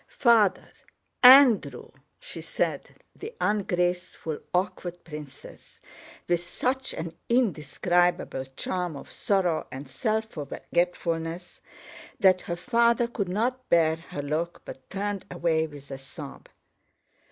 "Father! Andrew!"—said the ungraceful, awkward princess with such an indescribable charm of sorrow and self forgetfulness that her father could not bear her look but turned away with a sob.